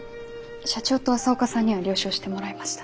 社長と朝岡さんには了承してもらいました。